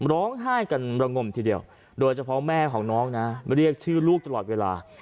ร้องไห้กันระงมทีเดียวโดยเฉพาะแม่ของน้องนะเรียกชื่อลูกตลอดเวลา